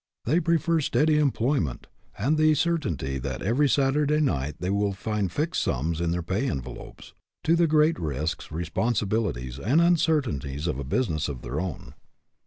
They prefer steady employment, and the certainty that every Sat urday night they will find fixed sums in their pay envelopes, to the great risks, responsi bilities, and uncertainties of a business of their own.